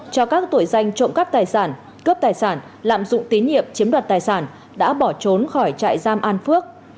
cho các tội danh trộm cắp tài sản cướp tài sản lạm dụng tín nhiệm chiếm đoạt tài sản đã bỏ trốn khỏi trại giam an phước